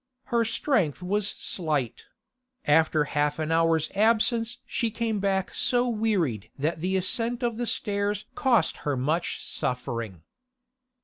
Her strength was slight; after half an hour's absence she came back so wearied that the ascent of stairs cost her much suffering.